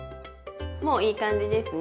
もういい感じですね。